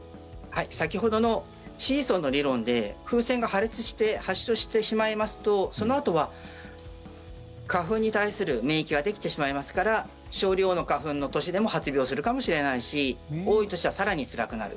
先ほどのシーソーの理論で風船が破裂して発症してしまいますとそのあとは花粉に対する免疫ができてしまいますから少量の花粉の年でも発病するかもしれないし多い年は更につらくなる。